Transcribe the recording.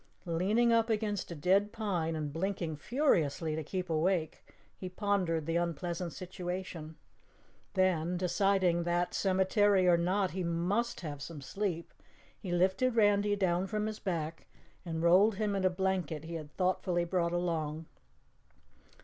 Leaning up against a dead pine and blinking furiously to keep awake, he pondered the unpleasant situation. Then, deciding that, cemetery or not, he must have some sleep, he lifted Randy down from his back and rolled him in a blanket he had thoughtfully brought along.